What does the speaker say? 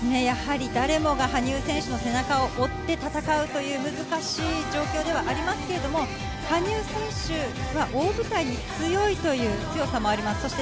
やはり誰もが羽生選手の背中を追って戦うという難しい状況ではありますけど、羽生選手は大舞台に強いという強さがあります。